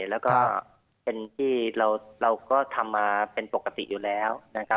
แล้วก็เป็นที่เราก็ทำมาเป็นปกติอยู่แล้วนะครับ